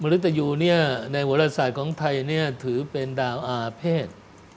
มริตยุในวัลสาทของไทยถือเป็นดาวอาเพศ